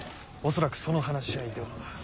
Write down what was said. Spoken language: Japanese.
恐らくその話し合いでは。